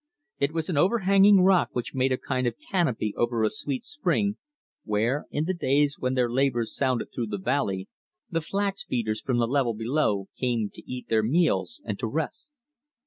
It was an overhanging rock which made a kind of canopy over a sweet spring, where, in the days when their labours sounded through the valley, the flaxbeaters from the level below came to eat their meals and to rest.